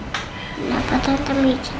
kenapa tante amici disini